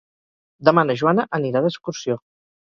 Demà na Joana anirà d'excursió.